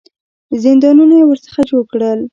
زندانونه یې ورڅخه جوړ کړل.